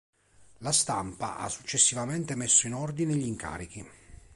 La stampa ha successivamente messo in ordine gli incarichi.